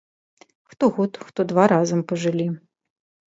Хто год, хто два разам пажылі.